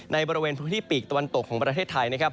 บริเวณพื้นที่ปีกตะวันตกของประเทศไทยนะครับ